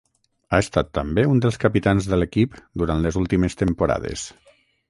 Ha estat també un dels capitans de l'equip durant les últimes temporades.